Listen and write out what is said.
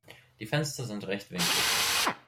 Die Fenster sind rechtwinklig.